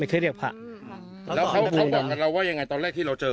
แค่เรียกพระแล้วเขาบอกกับเราว่ายังไงตอนแรกที่เราเจอ